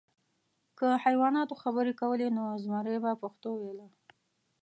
که حیواناتو خبرې کولی، نو زمری به پښتو ویله .